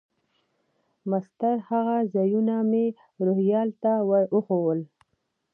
مسطر هغه ځایونه مې روهیال ته ور وښوول.